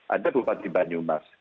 ada bupati banyumas